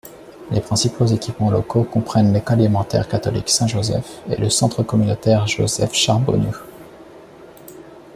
Les principaux équipements locaux comprennent l'école élémentaire catholique Saint-Joseph et le Centre communautaire Joseph-Charbonneau.